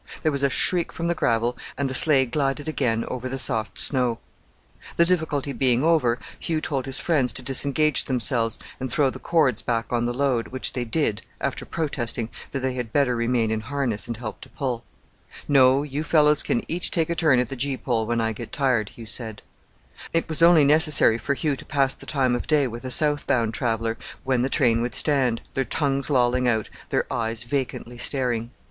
There was a shriek from the gravel, and the sleigh glided again over the soft snow. The difficulty being over, Hugh told his friends to disengage themselves and throw the cords back on the load, which they did, after protesting that they had better remain in harness and help to pull. "No, you fellows can each take a turn at the gee pole when I get tired," Hugh said. The dogs would stop for any excuse; it was only necessary for Hugh to pass the time of day with a south bound traveller, when the train would stand, their tongues lolling out, their eyes vacantly staring.